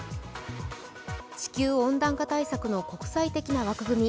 地球温暖化対策の国際的な枠組み